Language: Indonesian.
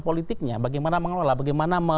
politiknya bagaimana mengelola bagaimana